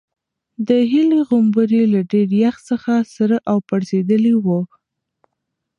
د هیلې غومبوري له ډېر یخ څخه سره او پړسېدلي وو.